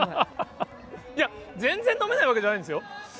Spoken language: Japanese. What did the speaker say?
いや、全然飲めないわけじゃないんですよ。